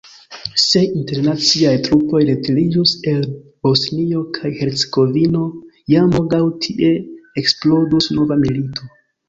Se internaciaj trupoj retiriĝus el Bosnio kaj Hercegovino, jam morgaŭ tie eksplodus nova milito.